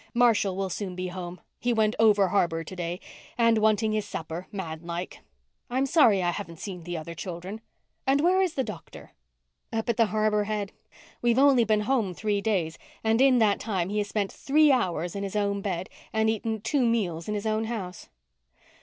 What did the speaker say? Marshall will soon be home—he went over harbour to day—and wanting his super, man like. I'm sorry I haven't seen the other children. And where's the doctor?" "Up at the Harbour Head. We've only been home three days and in that time he has spent three hours in his own bed and eaten two meals in his own house."